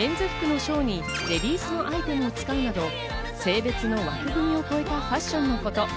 メンズ服の装にレディースのアイテムを使うなど性別の枠組みを越えたファッションのこと。